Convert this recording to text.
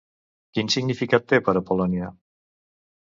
Quin significat té per a Polònia?